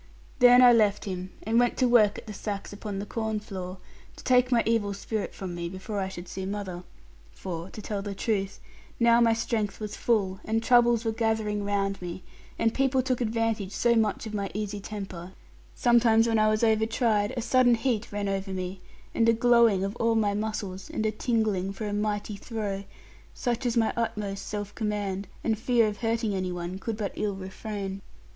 Then I left him, and went to work at the sacks upon the corn floor, to take my evil spirit from me before I should see mother. For (to tell the truth) now my strength was full, and troubles were gathering round me, and people took advantage so much of my easy temper, sometimes when I was over tried, a sudden heat ran over me, and a glowing of all my muscles, and a tingling for a mighty throw, such as my utmost self command, and fear of hurting any one, could but ill refrain.